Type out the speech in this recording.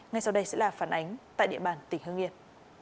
ngay sau đây sẽ là phản ánh tại địa bàn tỉnh hương yên